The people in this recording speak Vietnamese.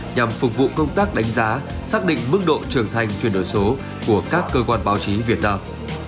nhằm phục vụ công tác đánh giá xác định mức độ trưởng thành chuyển đổi số của các cơ quan báo chí việt nam